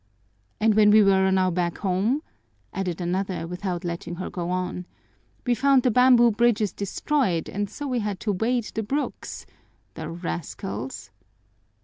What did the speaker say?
"And when we were on our way back home?" added another, without letting her go on. "We found the bamboo bridges destroyed and so we had to wade the brooks. The rascals!"